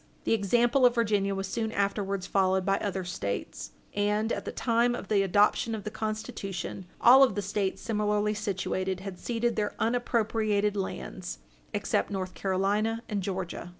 The example of Virginia was soon afterwards followed by other States, and, at the time of the adoption of the Constitution, all of the States, similarly situated had ceded their unappropriated lands, except North Carolina and Georgia.